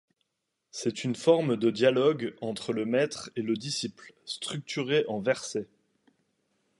C'est une forme de dialogue entre le maître et le disciple structuré en versets.